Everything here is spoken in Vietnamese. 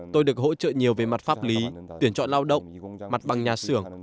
tôi được hỗ trợ nhiều về mặt pháp lý tuyển chọn lao động mặt bằng nhà xưởng